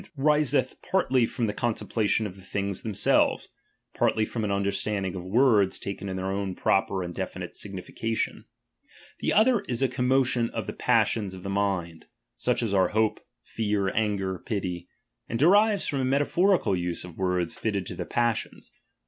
riseth partly from the contemplation of the thingB ^^"^ T themselves, partly from an understauding of words wiiiK.1.1 »iid(™ taken in their own proper and definite significa "j[j°n^iiii'w tion. The other is a commotion of the passions 7id»«diiion^ pf jjjg mind, sucii as are hope, fear, anger, pit^; and derives from a metaphorical use of words ^^ fitted to the passions.